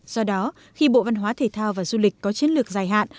do đó khi bộ văn hóa thể thao và du lịch có chiến lược dài hạn